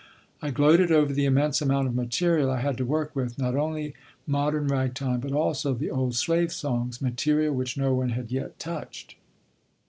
I gloated over the immense amount of material I had to work with, not only modern ragtime, but also the old slave songs material which no one had yet touched.